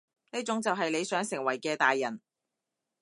呢種就係你想成為嘅大人？